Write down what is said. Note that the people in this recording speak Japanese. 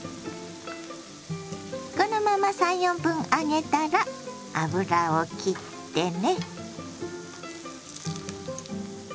このまま３４分揚げたら油をきってね。